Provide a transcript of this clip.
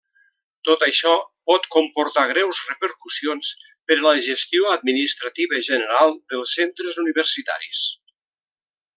Tot això pot comportar greus repercussions per a la gestió administrativa general dels centres universitaris.